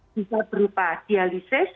bisa berupa dialisis